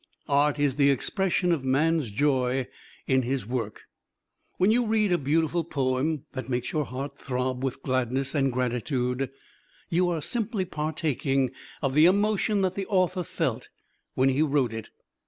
Art is the expression of man's joy in his work. When you read a beautiful poem that makes your heart throb with gladness and gratitude, you are simply partaking of the emotion that the author felt when he wrote it.